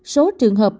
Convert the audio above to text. số trường hợp